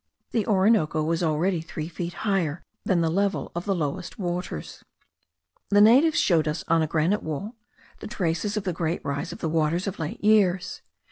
The Orinoco was already three feet higher than the level of the lowest waters. The natives showed us on a granite wall the traces of the great rise of the waters of late years.